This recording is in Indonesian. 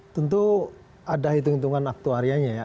tentu ada hitung hitungan aktuarianya ya